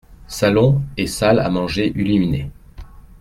Salon et salle à manger illuminés.